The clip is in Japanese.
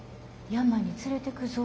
「山に連れてくぞ」